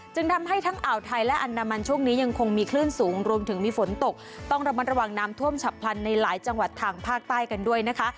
จึงทำให้ทั้งอ่าวไทยและอันดามันช่วงนี้ยังคงมีคลื่นสูงรวมถึงมีฝนตกต้องระมัดระวังน้ำท่วมฉับพลันในหลายจังหวัดทางภาคใต้กันด้วยนะคะ